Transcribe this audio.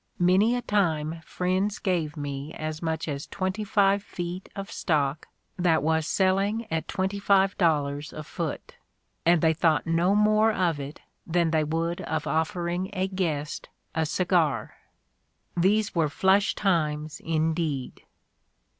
Many a time friends gave me as much as twenty five feet of stock that was selling at twenty five dollars a foot ; and they thought no more of it than they would of offering a guest a cigar. These were 'flush times' indeed!"